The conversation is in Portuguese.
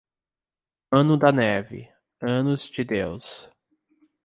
Ano da neve, anos de Deus.